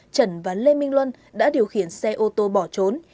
trần và lê minh luân đã điều khiển xe ô tô bỏ trốn